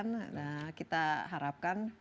nah kita harapkan